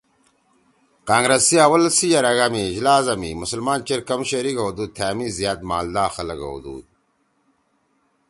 کانگرس سی اول سی یرَکا )اجلاس( می مسلمان چیر کم شریک ہؤدُود تھأ می زیاد مالدا خلَگ ہودُود